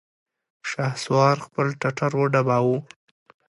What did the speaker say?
شهسوار خپل ټټر وډباوه!